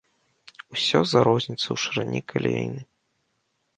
Усё з-за розніцы ў шырыні каляіны.